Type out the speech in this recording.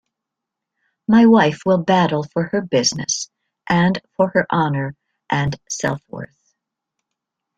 My wife will battle for her business and for her honour and self-worth.